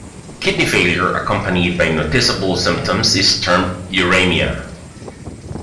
Kidney failure accompanied by noticeable symptoms is termed uraemia.